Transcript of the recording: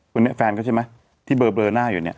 คนนี้แฟนเขาใช่ไหมที่เบลอหน้าอยู่เนี่ย